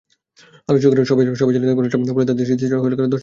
আলোচকেরা সবাই ছিলেন তাঁর ঘনিষ্ঠ, ফলে তাঁদের স্মৃতিচারণা ছুঁয়ে গেল দর্শকমন।